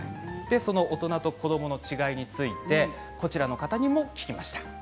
大人と子どもの違いについてこちらの方にも聞きました。